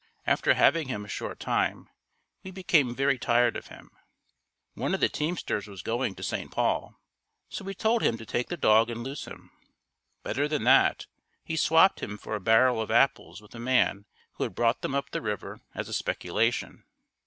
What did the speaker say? After having him a short time, we became very tired of him. One of the teamsters was going to St. Paul, so we told him to take the dog and lose him. Better than that, he swapped him for a barrel of apples with a man who had brought them up the river as a speculation.